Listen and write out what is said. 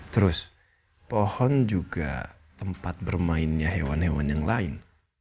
terus pohon juga tempat bermainnya hewan hewan yang lain